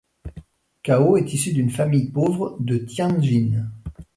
Cao est issu d'une famille pauvre de Tianjin.